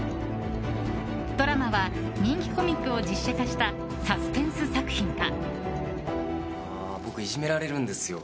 ドラマは人気コミックを実写化したサスペンス作品だ。